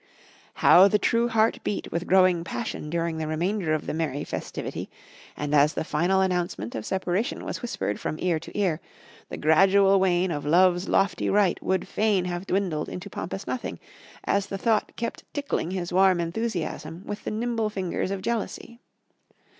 How the true heart beat with growing passion during the remainder of the merry festivity, and as the final announcement of separation was whispered from ear to ear, the gradual wane of Love's lofty right would fain have dwindled into pompous nothing as the thought kept tickling his warm enthusiasm with the nimble fingers of jealousy.